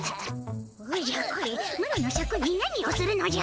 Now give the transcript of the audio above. おじゃこれマロのシャクに何をするのじゃ！